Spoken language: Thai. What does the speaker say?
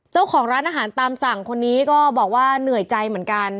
เจ้าของร้านอาหารตามสั่งคนนี้ก็บอกว่าเหนื่อยใจเหมือนกัน